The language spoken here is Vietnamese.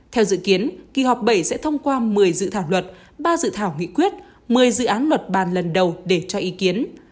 theo dự kiến kỳ họp bảy sẽ thông qua một mươi dự thảo luật ba dự thảo nghị quyết một mươi dự án luật bàn lần đầu để cho ý kiến